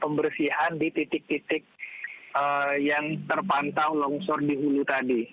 pembersihan di titik titik yang terpantau longsor di hulu tadi